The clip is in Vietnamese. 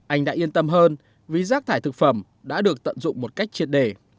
anh đã yên tâm hơn vì rác thải thực phẩm đã được tận dụng một cách triệt đề